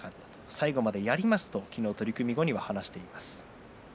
最後までやりますと取組後に話しています。